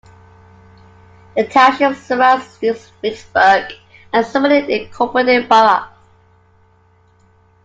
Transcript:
The township surrounds Smicksburg, a separately incorporated borough.